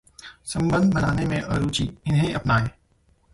'संबंध' बनाने में अरुचि, इन्हें अपनाइए...